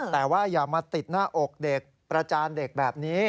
แต่ว่าอย่ามาติดหน้าอกเด็กประจานเด็กแบบนี้